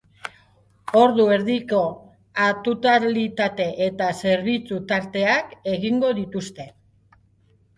Ordu erdiko aktutalitate eta zerbitzu tarteak egingo dituzte.